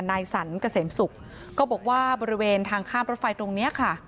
นายสรรเกษมศุกร์ก็บอกว่าบริเวณทางข้ามรถไฟตรงนี้ค่ะ